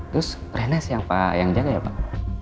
terus renes yang jaga ya pak